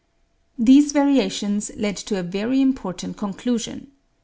These variations led to a very important conclusion.